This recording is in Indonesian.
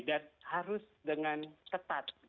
dan harus dengan tepat